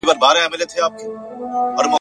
چي دا خوشبو د هغه ښکلي د بدن ده ښاده!